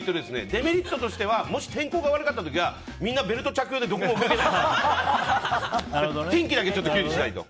デメリットとしてはもし天候が悪かった時はみんなベルト着用でどこも動けないから天気には留意しないと。